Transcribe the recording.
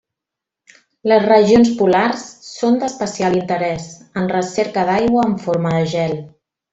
Les regions polars són d'especial interès, en recerca d'aigua en forma de gel.